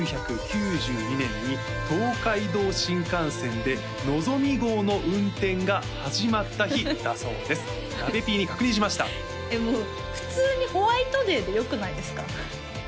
「１９９２年に東海道新幹線でのぞみ号の運転が始まった日」だそうですなべＰに確認しましたもう普通にホワイトデーでよくないですか？